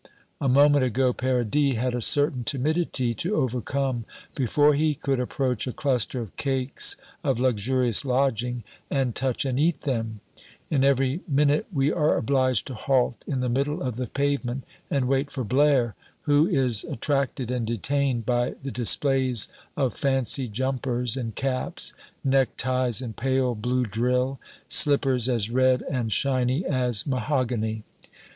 A moment ago Paradis had a certain timidity to overcome before he could approach a cluster of cakes of luxurious lodging, and touch and eat them; and every minute we are obliged to halt in the middle of the pavement and wait for Blaire, who is attracted and detained by the displays of fancy jumpers and caps, neck ties in pale blue drill, slippers as red and shiny as mahogany.